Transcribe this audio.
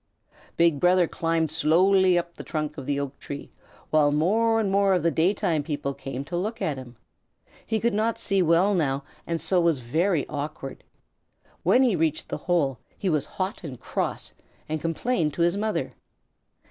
Big Brother climbed slowly up the trunk of the oak tree, while more and more of the daytime people came to look at him. He could not see well now, and so was very awkward. When he reached the hole he was hot and cross, and complained to his mother.